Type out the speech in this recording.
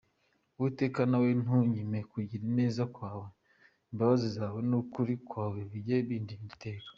Uwiteka, nawe ntunyime kugira neza kwawe, Imbabazi zawe n’ukuri kwawe bijye bindinda iteka.